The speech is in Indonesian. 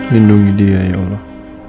lindungi dia ya allah